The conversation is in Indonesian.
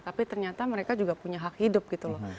tapi ternyata mereka juga punya hak hidup gitu loh